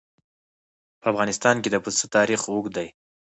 په افغانستان کې د پسه تاریخ اوږد دی.